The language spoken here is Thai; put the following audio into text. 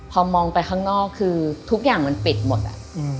พอมองไปข้างนอกคือทุกอย่างมันปิดหมดอะ